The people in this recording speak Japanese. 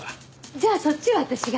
じゃあそっちは私が。